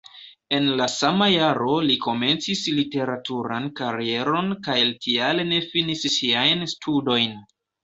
En la sama jaro li komencis literaturan karieron kaj tial ne finis siajn studojn.